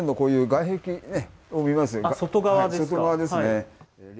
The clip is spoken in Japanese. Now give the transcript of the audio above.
外側ですね。